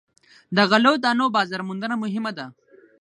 د غلو دانو بازار موندنه مهمه ده.